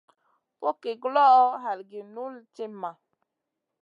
Fogki guloʼo, halgi guʼ nul timma.